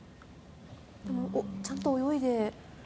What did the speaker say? でもちゃんと泳いで。